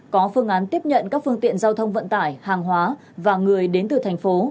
có phương án tiếp nhận các phương tiện giao thông vận tải hàng hóa và người đến từ thành phố